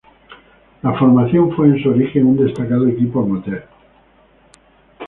La formación fue en su origen un destacado equipo amateur.